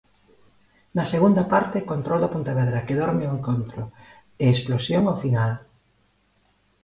Na segunda parte, control do Pontevedra, que dorme o encontro, e explosión ao final.